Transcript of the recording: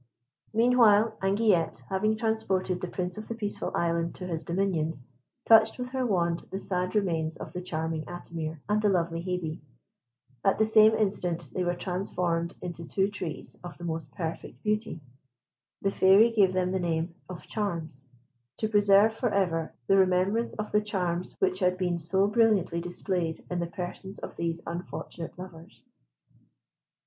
Meanwhile, Anguillette, having transported the Prince of the Peaceful Island to his dominions, touched with her wand the sad remains of the charming Atimir and the lovely Hebe. At the same instant they were transformed into two trees of the most perfect beauty. The Fairy gave them the name of Charmes, to preserve for ever the remembrance of the charms which had been so brilliantly displayed in the persons of these unfortunate lovers.